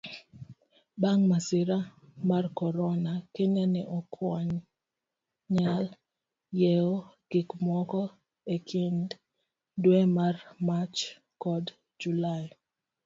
bang' masira marcorona, Kenya ne oknyal nyiewo gikmoko ekind dwe mar Mach kod Julai.